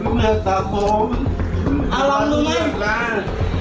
ทีนี้คือคุณพ่อข้อควรมากคุณแผนความ